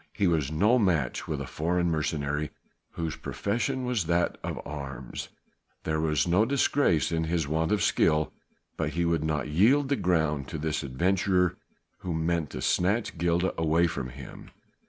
He was no match with a foreign mercenary, whose profession was that of arms; there was no disgrace in his want of skill. But he would not yield the ground to this adventurer who meant to snatch Gilda away from him.